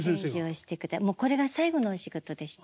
もうこれが最後のお仕事でした。